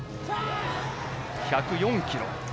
１０４キロ。